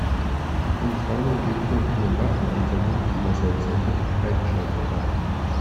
Von gefallenen Gegnern kann man Waffen einsammeln, die man selbst noch nicht freigeschaltet hat.